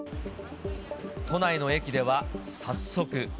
都内の駅では早速。